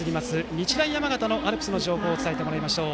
日大山形のアルプスの情報を伝えてもらいましょう。